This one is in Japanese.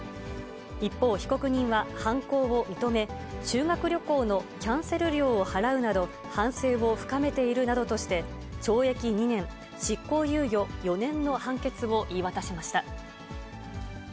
一方、被告人は犯行を認め、修学旅行のキャンセル料を払うなど、反省を深めているなどとして、懲役２年、執行猶予４年の判決を言い渡しました。